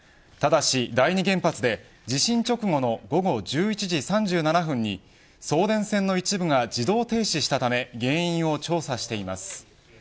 ただし第二原発で地震直後の午後１１時３７分に送電線の一部が自動停止したため原因を調査しています。